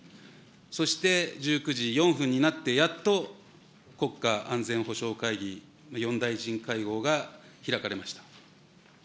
そして、１９時４分になってやっと国家安全保障会議４大臣会合が開かれました。